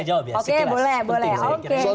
oke boleh boleh